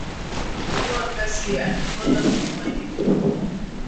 kuwa kasi ya Anacconda kwenye maji kubwa